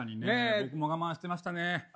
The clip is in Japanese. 僕も我慢してましあ